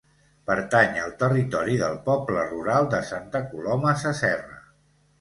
Pertany al territori del poble rural de Santa Coloma Sasserra.